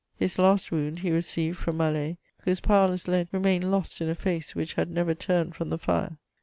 His last wound he received from Malet, whose powerless lead remained lost in a face which had never turned from the fire.